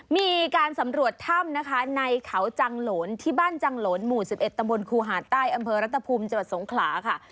มีการสำรวจถ้ำนะคะในเขาจังหลนที่บ้านจังหลนหมู่๑๑ตำบลครูหาดใต้อำเภอรัตภูมิจังหวัดสงขลาค่ะ